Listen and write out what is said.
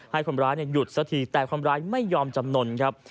ให้คนร้ายหยุดสักทีแต่คนร้ายไม่ยอมจำนวนครับ